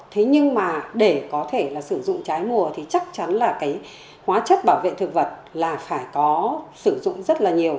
thế nhưng mà để có thể là sử dụng trái mùa thì chắc chắn là cái hóa chất bảo vệ thực vật là phải có sử dụng rất là nhiều